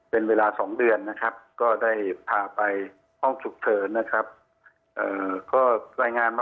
เป็นเวลา๒เดือนนะครับก็ได้พาไปห้องสุขเถิญนะครับ